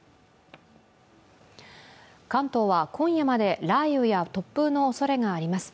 関東は今夜まで雷雨や突風のおそれがあります。